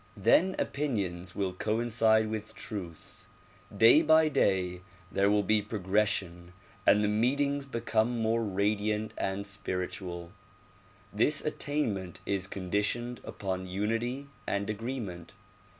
Then opinions will coincide with truth; day by day there will be progression and the meetings become more radiant and spiritual. This attainment is conditioned upon unity and agreement.